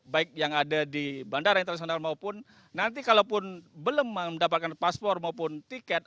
baik yang ada di bandara internasional maupun nanti kalaupun belum mendapatkan paspor maupun tiket